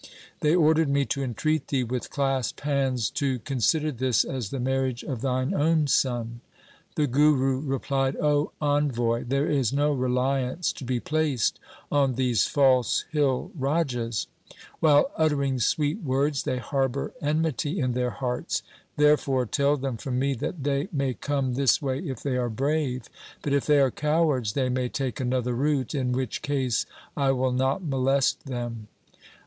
They ordered me to entreat thee with clasped hands to consider this as the marriage of thine own son.' The Guru replied, ' O envoy, there is no reliance to 26 THE SIKH RELIGION be placed on these false hill rajas. While uttering sweet words, they harbour enmity in their hearts. Therefore tell them from me that they may come this way if they are brave ; but, if they are cowards, they may take another route, in which case I will not molest them.